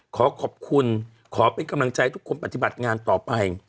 ขอขอบคุณขอเป็นกำลังใจทุกคนปฏิบัติงานต่อไป